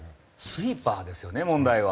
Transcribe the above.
スイーパーですよね問題は。